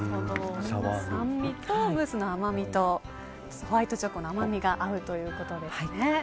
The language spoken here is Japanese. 酸味とムースの甘みとホワイトチョコの甘みが合うということですね。